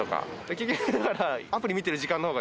結局だから。